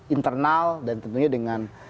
internal dan tentunya dengan